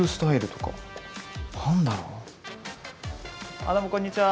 あっどうもこんにちは。